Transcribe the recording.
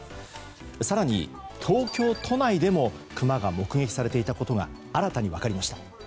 更に、東京都内でもクマが目撃されていたことが新たに分かりました。